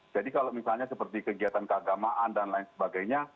jadi kalau misalnya seperti kegiatan keagamaan dan lain sebagainya